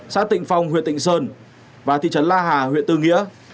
xã tịnh phong huyện tịnh sơn và thị trấn la hà huyện tư nghĩa